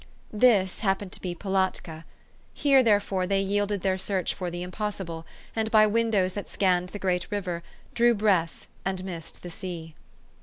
'' This happened to be Pilatka. Here, therefore, they yielded their search for the impossible, and b}^ windows that scanned the great river, drew breath, and missed the sea.